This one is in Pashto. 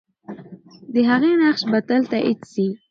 د هغې نقش به تل تایید سي.